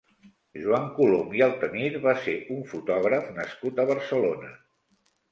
Joan Colom i Altemir va ser un fotògraf nascut a Barcelona.